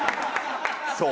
そう。